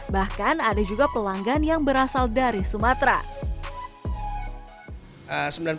bahkan ada juga pelanggan yang berasal dari sumatera